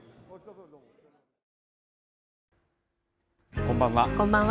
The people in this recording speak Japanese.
こんばんは。